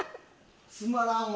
つまらんわ。